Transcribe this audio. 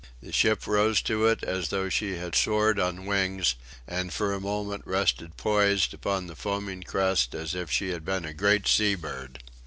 The ship rose to it as though she had soared on wings, and for a moment rested poised upon the foaming crest as if she had been a great sea bird.